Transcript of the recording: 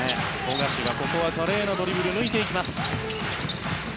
富樫がここは華麗なドリブル抜いていきます。